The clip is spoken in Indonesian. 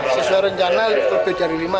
sesuai rencana itu berdiri lima